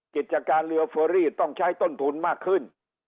กิจการเรือเฟอรี่ต้องใช้ต้นทุนมากขึ้น